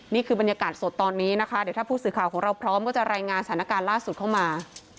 นี่คือบรรยากาศสดตอนนี้นะคะเดี๋ยวถ้าผู้สื่อข่าวของเราพร้อมก็จะรายงานสถานการณ์ล่าสุดเข้ามา